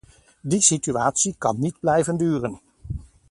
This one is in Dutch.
Die situatie kan niet blijven duren.